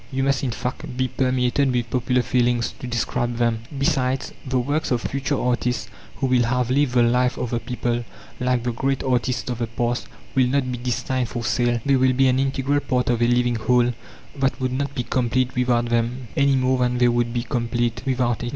You must, in fact, be permeated with popular feelings, to describe them. Besides, the works of future artists who will have lived the life of the people, like the great artists of the past, will not be destined for sale. They will be an integral part of a living whole that would not be complete without them, any more than they would be complete without it.